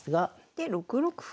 で６六歩。